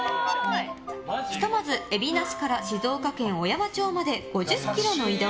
ひとまず海老名市から静岡県小山町まで５０ｋｍ移動！